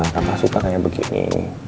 kakak suka kayak begini